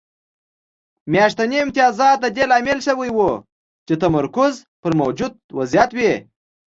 میاشتني امتیازات د دې لامل شوي وو چې تمرکز پر موجود وضعیت وي